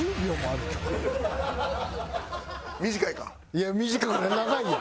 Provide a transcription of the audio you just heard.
いや短くない長いやん。